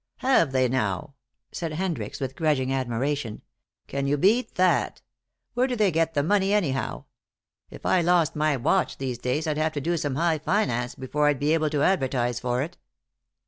"Have they, now," said Hendricks, with grudging admiration. "Can you beat that? Where do they get the money, anyhow? If I lost my watch these days I'd have to do some high finance before I'd be able to advertise for it."